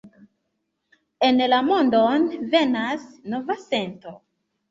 En la mondon venas nova sento